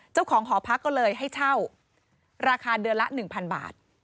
เจ้าของหอพักก็เลยให้เช่าราคาเดือนละ๑๐๐บาท